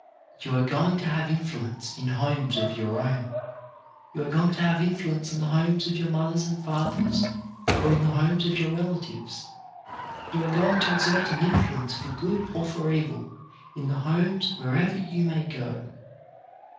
You are going to have influence in homes of your own, you are going to have in fluence in the homes of your mothers and fathers, or in the homes of your relatives. You are going to exert an influence for good or for evil in the homes wherever you may go.